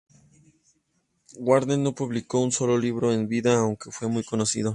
Warner no publicó un solo libro en vida, aunque fue muy conocido.